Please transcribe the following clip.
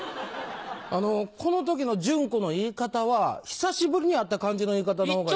あのこの時の「ジュンコ」の言い方は久しぶりに会った感じの言い方の方がいい？